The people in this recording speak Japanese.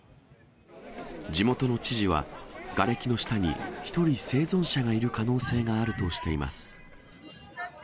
地元の知事は、がれきの下に１人生存者がいる可能性があるとしています。